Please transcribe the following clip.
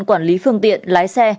quản lý phương tiện lái xe